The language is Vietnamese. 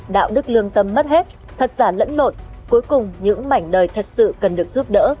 đạo đức lương tâm mất hết thật giả lẫn lộn cuối cùng những mảnh đời thật sự cần được giúp đỡ